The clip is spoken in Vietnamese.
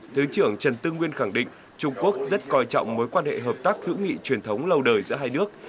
thứ trưởng trần tư nguyên khẳng định trung quốc rất coi trọng mối quan hệ hợp tác hữu nghị truyền thống lâu đời giữa hai nước